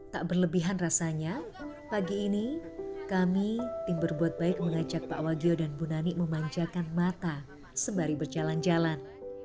tak berlebihan rasanya pagi ini kami tim berbuat baik mengajak pak wagyo dan bu nani memanjakan mata sembari berjalan jalan